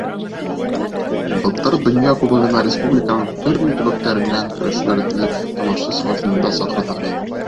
Былтыр Донъя кубогына республиканың төрлө төбәктәренән көрәшселәрҙе тамашасы сифатында саҡырҙыҡ.